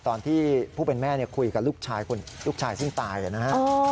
ตอนที่ผู้เป็นแม่คุยกับลูกชายซึ่งตายนะฮะ